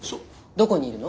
どこにいるの？